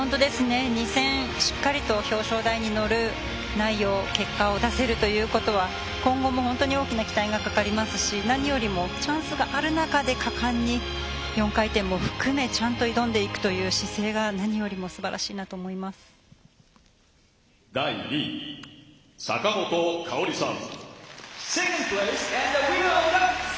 ２戦しっかりと表彰台に乗る内容結果を出せるということは今後も本当に大きな期待がかかりますし何よりもチャンスがある中で果敢に４回転も含めちゃんと挑んでいくという姿勢が第２位坂本花織さん。